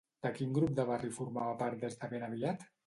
De quin grup de barri formava part des de ben aviat?